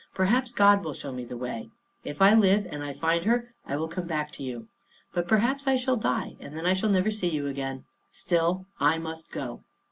"Perhaps God will show me the way. If I live and I find her, I will come back to you; but perhaps I shall die, and then I shall never see you again. Still I must go."